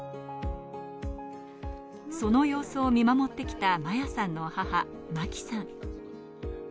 その様子を見守ってきた摩耶さんの母・真紀さん。